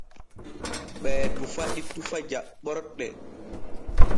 Ɓee tufa ɗi tufe jaɓɓorɗe.